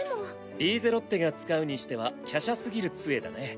リーゼロッテが使うにしては華奢すぎる杖だね。